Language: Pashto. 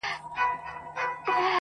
خو هر غوږ نه وي لایق د دې خبرو.!